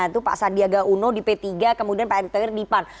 itu pak sandiaga uno di p tiga kemudian pak erick thohir di pan